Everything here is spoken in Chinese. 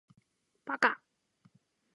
八嘎！